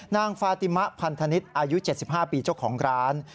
ฟาติมะพันธนิษฐ์อายุ๗๕ปีเจ้าของร้าน